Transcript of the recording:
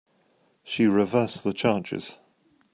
She reversed the charges.